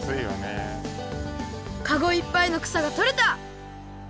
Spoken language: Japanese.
かごいっぱいのくさがとれた！